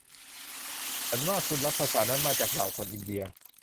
ฉันว่าคุณรับภาษานั้นจากมาเหล่าคนอินเดีย